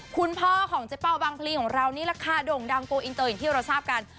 คุณพ่อของเจ๊เป้าบางพลีของเรานี่แหละค่ะโด่งดังโกอินเตอร์อย่างที่เราทราบกัน